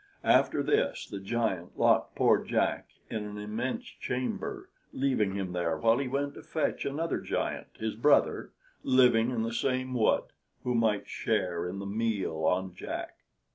After this the giant locked poor Jack in an immense chamber, leaving him there while he went to fetch another giant, his brother, living in the same wood, who might share in the meal on Jack.